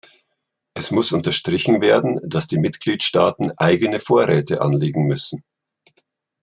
Es muss unterstrichen werden, dass die Mitgliedstaaten eigene Vorräte anlegen müssen.